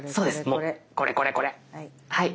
もうこれこれこれ。